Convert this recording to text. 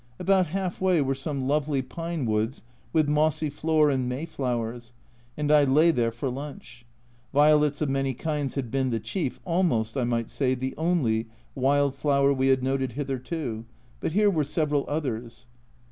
About half way were some lovely pine woods with mossy floor and May flowers, and I lay there for lunch. Violets of many kinds had been the chief, almost I might say the only, wild flower we had noted hitherto, but here were several others.